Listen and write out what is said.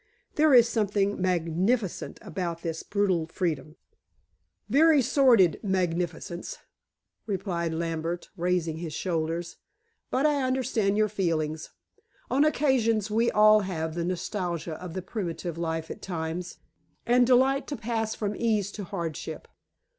There is something magnificent about this brutal freedom." "Very sordid magnificence," replied Lambert, raising his shoulders. "But I understand your feelings. On occasions we all have the nostalgia of the primitive life at times, and delight to pass from ease to hardship."